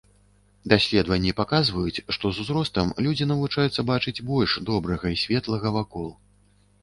Даследаванні паказваюць, што з узростам людзі навучаюцца бачыць больш добрага і светлага вакол.